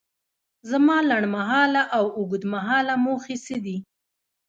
زما لنډ مهاله او اوږد مهاله موخې څه دي؟